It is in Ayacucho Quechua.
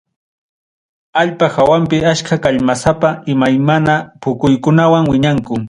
Allpa hawanpi achka kallmasapa iamymana puquykunam wiñanku.